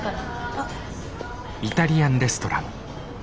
あっ。